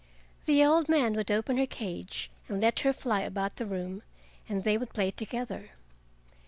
The old man would open her cage and let her fly about the room, and they would play together.